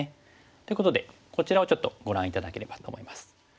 ということでこちらをちょっとご覧頂ければと思います。